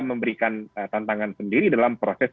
memberikan tantangan sendiri dalam proses